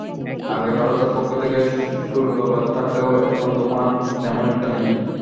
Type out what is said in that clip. আগে ভারতের পক্ষ থেকে শুল্ক বাধা থাকলেও এখন তেমন একটা নেই।